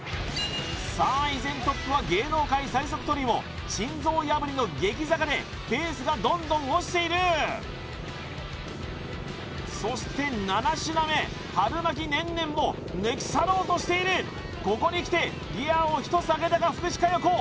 さあ依然トップは芸能界最速トリオ心臓破りの激坂でペースがどんどん落ちているそして７品目春巻きねんねんも抜き去ろうとしているここに来てギアを１つ上げたか福士加代子